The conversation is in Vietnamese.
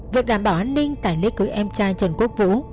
việc đảm bảo an ninh tại lễ cưới em trai trần quốc vũ